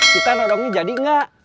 kita nodongnya jadi enggak